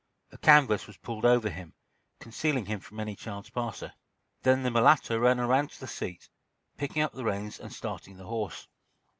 A canvas was pulled over him, concealing him from any chance passer. Then the mulatto ran around to the seat, picking up the reins and starting the horse.